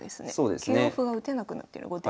９四歩が打てなくなってる後手から。